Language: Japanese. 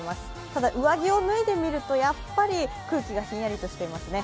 ただ上着を脱いでみるとやっぱり空気がひんやりとしていますね。